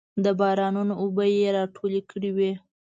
د بارانونو اوبه یې راټولې کړې وې.